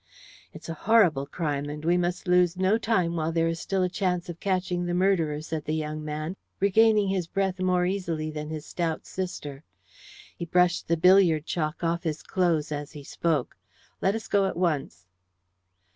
"It's a horrible crime, and we must lose no time while there is still a chance of catching the murderer," said the young man, regaining his breath more easily than his stout sister. He brushed the billiard chalk off his clothes as he spoke. "Let us go at once."